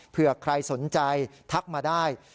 เผื่อใครสนใจทักมาได้